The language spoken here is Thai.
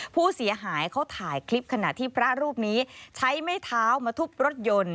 ผู้เสียหายเขาถ่ายคลิปขณะที่พระรูปนี้ใช้ไม้เท้ามาทุบรถยนต์